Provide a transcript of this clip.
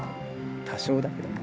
多少だけどね